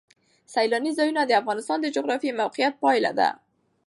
سیلانی ځایونه د افغانستان د جغرافیایي موقیعت پایله ده.